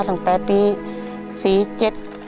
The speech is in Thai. ตั้งแต่ปีสี่เจ็ด